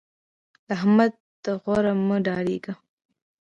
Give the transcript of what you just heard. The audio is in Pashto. له احمد د غور مه ډارېږه.